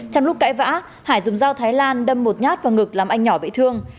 trong lúc cãi vã hải dùng dao thái lan đâm một nhát vào ngực làm anh nhỏ bị thương